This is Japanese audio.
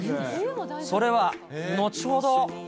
それは後ほど。